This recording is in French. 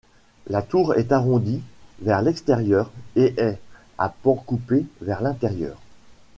La tour est arrondie vers l'extérieur et est à pans coupés vers l'intérieur.